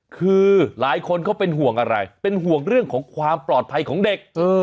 คือหลายคนเขาเป็นห่วงอะไรเป็นห่วงเรื่องของความปลอดภัยของเด็ก